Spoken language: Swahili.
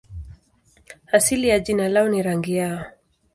Asili ya jina lao ni rangi yao.